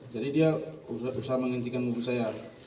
jadi dia usah menghentikan mobil saya